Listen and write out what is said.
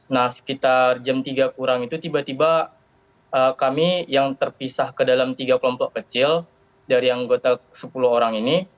nah sekitar jam tiga kurang itu tiba tiba kami yang terpisah ke dalam tiga kelompok kecil dari anggota sepuluh orang ini